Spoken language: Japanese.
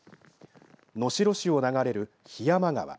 能代市を流れる桧山川